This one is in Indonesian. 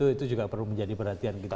itu juga perlu menjadi perhatian kita